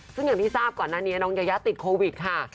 ซึ่งอย่างที่ทราบก่อนหน้านี้น้องยายาติดโควิดค่ะ